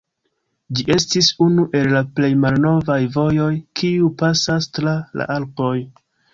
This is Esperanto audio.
Ĝi estis unu el la plej malnovaj vojoj, kiuj pasas tra la Alpoj.